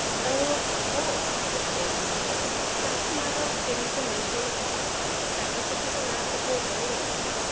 '"Oh, of course!" I can hear you sneer. "Just another of Biddy's emotional interests bound to fizzle out before very long."